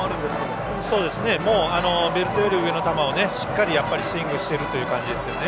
もうベルトより上の球をしっかりスイングしてるという感じですよね。